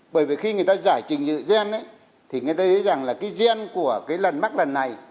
bởi vì khi người ta giải trình dự gen thì người ta thấy rằng là cái gen của cái lần mắc lần này